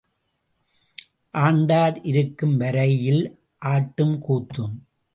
ஆண்டார் இருக்கும் வரையில் ஆட்டும் கூத்தும்.